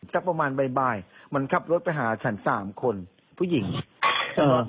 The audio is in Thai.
สักประมาณบ่ายมันขับรถไปหาฉันสามคนผู้หญิงเอ่อ